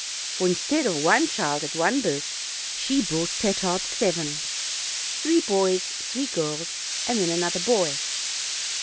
For, instead of one child at one birth, she brought Petard seven: three boys, three girls, and then another boy.